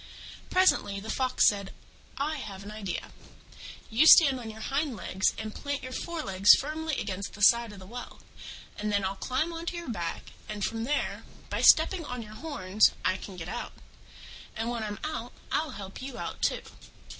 Presently the Fox said, "I have an idea. You stand on your hind legs, and plant your forelegs firmly against the side of the well, and then I'll climb on to your back, and, from there, by stepping on your horns, I can get out. And when I'm out, I'll help you out too."